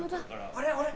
あれあれ？